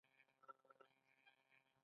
د بیان ازادي مهمه ده ځکه چې د برابرۍ بنسټ دی.